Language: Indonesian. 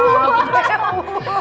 kamunya gemes banget